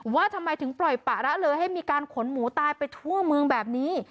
ว่าทำไมถึงปล่อยปะละเลยให้มีการขนหมูตายไปทั่วเมืองแบบนี้